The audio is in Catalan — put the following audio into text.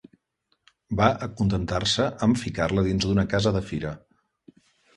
Va acontentar-se amb ficar-la dins d'una casa de fira.